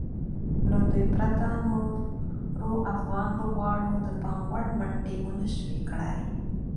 له دوی پرته نورو افغان لوبغاړو د پام وړ منډې ونشوای کړای.